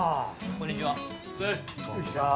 こんにちは。